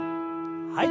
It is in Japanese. はい。